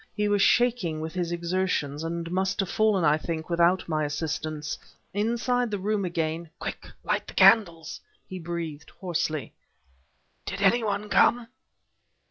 He was shaking with his exertions, and must have fallen, I think, without my assistance. Inside the room again: "Quick! light the candles!" he breathed hoarsely. "Did any one come?"